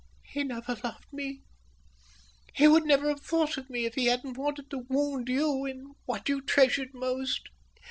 "He never loved me, he would never have thought of me if he hadn't wanted to wound you in what you treasured most.